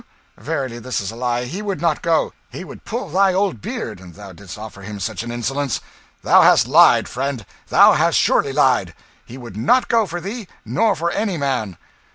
Verily this is a lie he would not go. He would pull thy old beard, an' thou didst offer him such an insolence. Thou hast lied, friend; thou hast surely lied! He would not go for thee, nor for any man."